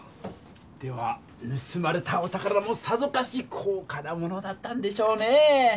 ではぬすまれたお宝もさぞかし高価なものだったんでしょうね！